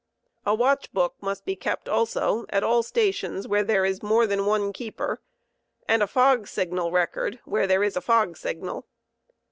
A watch book must be kept also at all stations where there is more than one keeper, and a fog signal record where there is a fog signal.